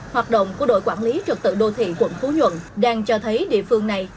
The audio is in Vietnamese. hoạt động của đội quản lý trật tự đô thị quận phú nhuận đang cho thấy địa phương này